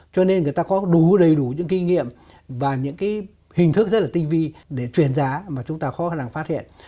cho nên người ta có đủ đầy đủ những kinh nghiệm và những hình thức rất là tinh vi để chuyển giá mà chúng ta khó khả năng phát hiện